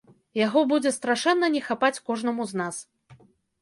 Яго будзе страшэнна не хапаць кожнаму з нас.